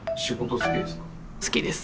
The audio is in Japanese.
好きです。